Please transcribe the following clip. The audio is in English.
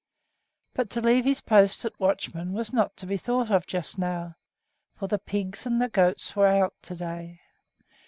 But to leave his post as watchman was not to be thought of just now, for the pigs and the goats were out to day.